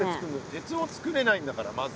鉄をつくれないんだからまず。